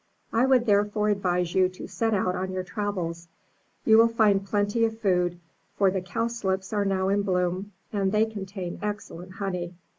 I would therefore advise you to set out on your travels; you will find plenty of food, for the cowslips are now in bloom, and they contain excellent honey.